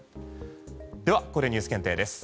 では、ここでＮＥＷＳ検定です。